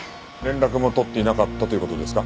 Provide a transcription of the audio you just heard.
連絡も取っていなかったという事ですか？